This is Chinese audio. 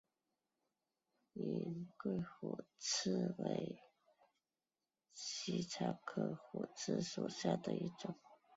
云桂虎刺为茜草科虎刺属下的一个种。